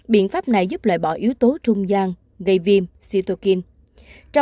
biện pháp này giúp loại bỏ yếu tố trung gian gây viêm sitokin